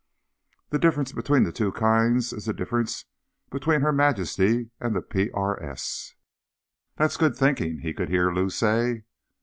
_ The difference between the two kinds is the difference between Her Majesty and the PRS. "That's good thinking," he could hear Lou say.